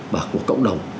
và của cộng đồng